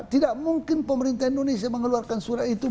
tidak mungkin pemerintah indonesia mengeluarkan surat itu